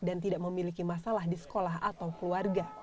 dan tidak memiliki masalah di sekolah atau keluarga